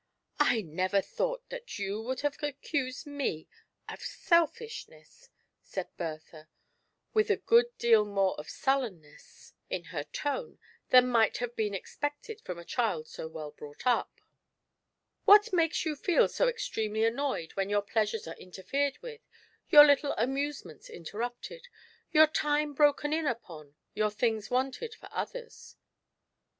" I never thought that you would have accused me of selfishness 1" said Bertha, with a good deal more of sullen ness in her tone than might have been expected from a child so well brought up. GIANT SE1.FISHNESS. " What makea you feel so extremely annoyed when your pleasures are interfered with, your little amusements interrupted, your time broken in upon, your things wanted for others?"